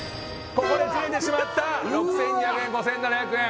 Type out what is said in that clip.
ここでズレてしまった６２００円５７００円